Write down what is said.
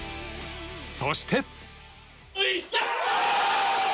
そして。